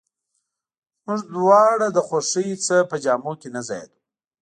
موږ دواړه له خوښۍ نه په جامو کې نه ځایېدو.